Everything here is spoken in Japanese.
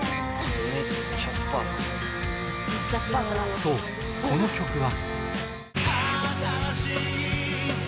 そうこの曲は